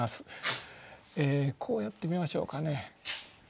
こうやってみましょうかね。